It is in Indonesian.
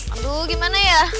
aduh gimana ya